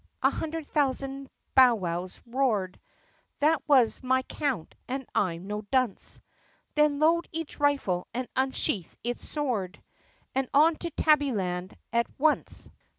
a hundred thousand bowwows roared. (That was my count and I 'm no dunce.) "Then load each rifle and unsheathe each sword And on to Tabbyland at once!"